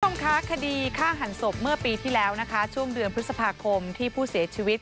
คุณผู้ชมคะคดีฆ่าหันศพเมื่อปีที่แล้วนะคะช่วงเดือนพฤษภาคมที่ผู้เสียชีวิต